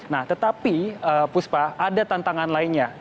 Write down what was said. nah tetapi puspa ada tantangan lainnya